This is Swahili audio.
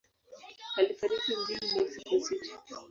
Alifariki mjini Mexico City.